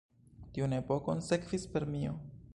Tiun epokon sekvis Permio.